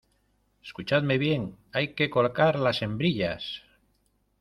escuchadme bien, hay que colocar las hembrillas